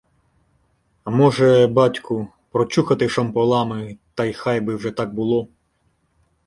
— А може, батьку, прочухати шомполами та й хай би вже так було.